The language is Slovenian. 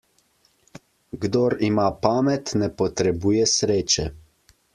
Kdor ima pamet, ne potrebuje sreče.